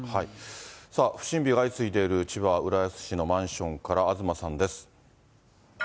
さあ、不審火が相次いでいる千葉・浦安市のマンションから東さんです。